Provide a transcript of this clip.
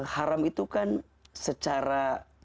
haram itu kan secara